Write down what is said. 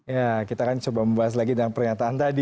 ya kita akan coba membahas lagi dengan pernyataan tadi